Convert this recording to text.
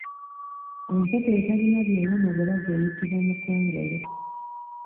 Enkoko eterina byoya ku bulago eyitibwa Mukongole.